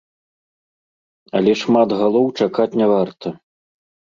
Але шмат галоў чакаць не варта.